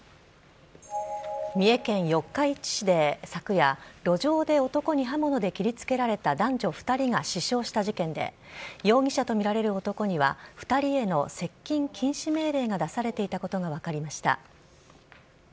三重県四日市市で、昨夜、路上で男に刃物で切りつけられた男女２人が死傷した事件で、容疑者と見られる男には、２人への接近禁止命令が出されていたことが分かりました。